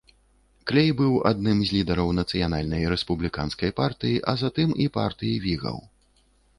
Клей быў адным з лідараў нацыянальнай рэспубліканскай партыі, а затым і партыі вігаў.